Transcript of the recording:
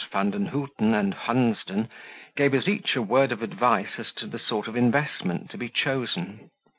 Vandenhuten and Hunsden, gave us each a word of advice as to the sort of investment to be chosen.